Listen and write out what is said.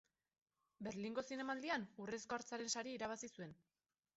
Berlingo Zinemaldian Urrezko Hartzaren saria irabazi zuen.